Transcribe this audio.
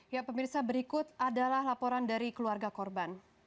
ya pemirsa berikut adalah laporan dari keluarga korban